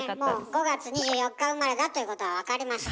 ５月２４日生まれだということは分かりました。